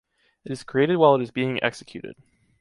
It is created while it is being executed.